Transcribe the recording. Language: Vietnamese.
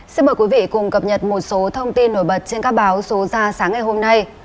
xin mời quý vị cùng cập nhật một số thông tin nổi bật trên các báo số ra sáng ngày hôm nay